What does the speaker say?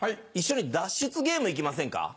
一緒に脱出ゲーム行きませんか？